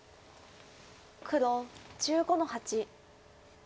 黒１５の八。